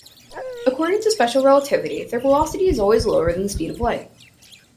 According to special relativity, their velocity is always lower than the speed of light.